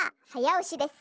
おしです。